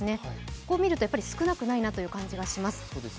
こう見ると、少なくないなという感じがします。